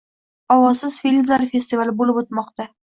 «Ovozsiz filmlar festivali» bo‘lib o‘tmoqda